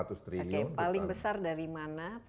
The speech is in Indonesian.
oke paling besar dari mana